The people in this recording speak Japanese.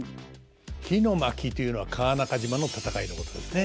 「火の巻」というのは川中島の戦いのことですね。